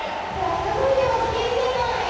じゃあすぐにでも聞けるじゃない！